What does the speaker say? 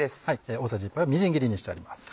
大さじ１杯はみじん切りにしてあります。